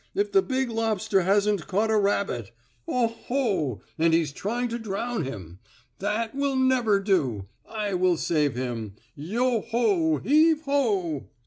If the big lobster hasn't caught a rabbit. Oh, ho! And he's trying to drown him. That will never do. I will save him. Yo ho! Heave ho!"